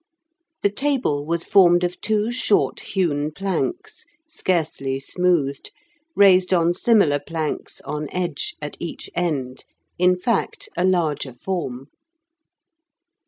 The table was formed of two short hewn planks, scarcely smoothed, raised on similar planks (on edge) at each end, in fact, a larger form.